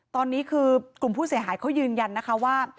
ตอนนี้คือกลุ่มผู้เสียหายเขายืนยันนะคะว่า